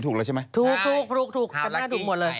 ได้หมด